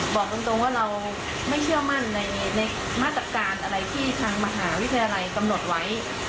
บอกตรงว่าเราไม่เชื่อมั่นในมาตรการอะไรที่ทางมหาวิทยาลัยกำหนดไว้